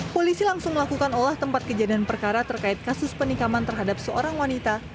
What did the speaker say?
polisi langsung melakukan olah tempat kejadian perkara terkait kasus penikaman terhadap seorang wanita